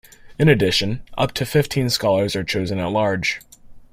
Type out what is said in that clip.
In addition, up to fifteen Scholars are chosen at-large.